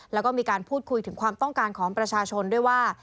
แล้วก็มีการพูดคุยถึงความต้องการของประชาชนด้วยว่า